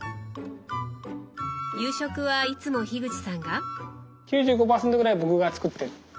夕食はいつも口さんが？